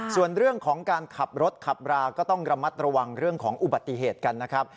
ส่วนเรื่องของการขับรถขับราก็ต้องระมัดระวังเรื่องของอุบัติเหตุกันนะครับ